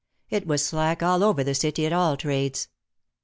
It was slack all over the city at all trades.